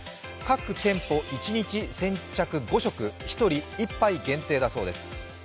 各店舗一日先着５食、１人１杯限定だそうです。